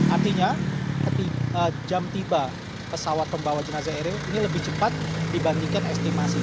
artinya jam tiba pesawat pembawa jenazah eril ini lebih cepat dibandingkan estimasi